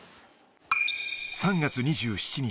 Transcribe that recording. ３月２７日。